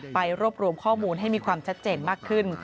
ไปรวบรวมข้อมูลให้มีความชัดเจนมากขึ้น